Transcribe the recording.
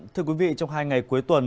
thưa quý vị trong hai ngày cuối tuần